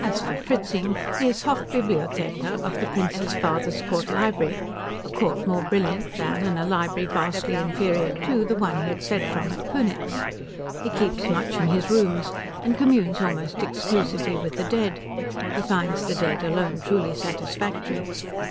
As for Fritzing, he is Hofbibliothekar of the Prince's father's court library; a court more brilliant than and a library vastly inferior to the one he had fled from at Kunitz. He keeps much in his rooms, and communes almost exclusively with the dead. He finds the dead alone truly satisfactory.